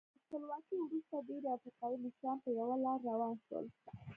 تر خپلواکۍ وروسته ډېری افریقایي مشران په یوه لار روان شول.